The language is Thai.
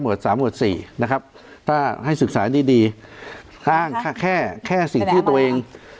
สามหมวดสี่นะครับถ้าให้ศึกษาดีดีสร้างแค่แค่สี่ชื่อตัวเอง